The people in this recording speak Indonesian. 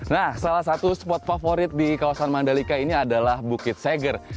nah salah satu spot favorit di kawasan mandalika ini adalah bukit seger